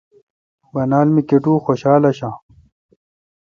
بانال می کٹو خوشال آݭآں۔